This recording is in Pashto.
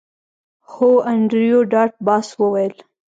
هو انډریو ډاټ باس وویل